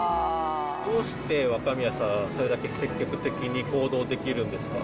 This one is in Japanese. どうして若宮さんはそれだけ積極的に行動できるんですか？